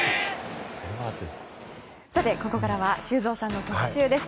ここからは修造さんの特集です。